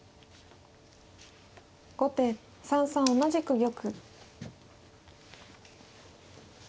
後手３三同じく玉。